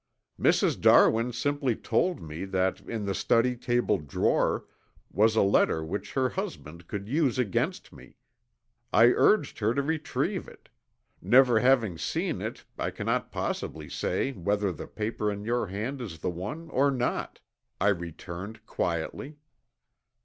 "Mrs. Darwin simply told me that in the study table drawer was a letter which her husband could use against me. I urged her to retrieve it. Never having seen it I cannot possibly say whether the paper in your hand is the one or not," I returned, quietly.